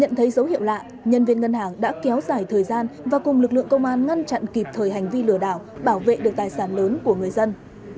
nhận thấy dấu hiệu lạ nhân viên ngân hàng đã kéo dài thời gian và cùng lực lượng công an ngăn chặn kịp thời hành vi lừa đảo bảo vệ được tài sản lớn của người dân